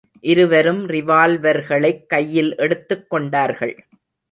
இருவரும் ரிவால்வர்களைக் கையில் எடுத்துக் கொண்டார்கள்.